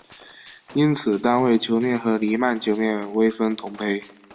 因此单位球面和黎曼球面微分同胚。